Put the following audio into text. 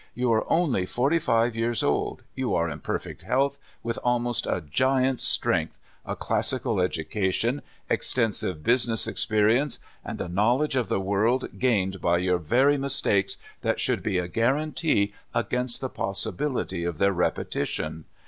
"You are only forty five years old; you are in perfect health, with almost a giant's strength, a classical education, extensive business experience, and a knowledge of the world gained by your very mistakes that should be a guarantee against the possibility of their repetition.